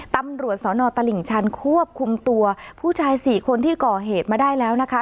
ตำรวจสนตลิ่งชันควบคุมตัวผู้ชาย๔คนที่ก่อเหตุมาได้แล้วนะคะ